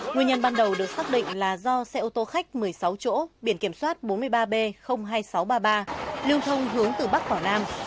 nguyên nhân ban đầu được xác định là do xe ô tô khách một mươi sáu chỗ biển kiểm soát bốn mươi ba b hai nghìn sáu trăm ba mươi ba lưu thông hướng từ bắc vào nam